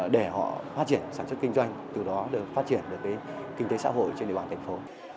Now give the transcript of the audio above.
để họ phát triển sản xuất kinh doanh từ đó phát triển được kinh tế xã hội trên địa bàn thành phố